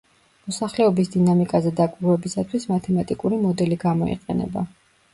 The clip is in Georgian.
მოსახლეობის დინამიკაზე დაკვირვებისათვის მათემატიკური მოდელი გამოიყენება.